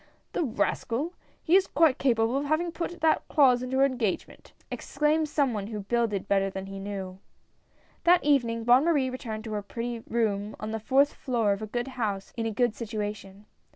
" The rascal ! he is quite capable of having put that clause into her engagement !" exclaimed some one who builded better than he knew. That evening Bonne Marie returned to her pretty HER FIRST APPEARANCE. 107 room on the fourth floor of a good house in a good situation.